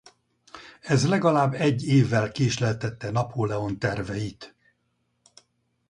Ez legalább egy évvel késleltette Napóleon terveit.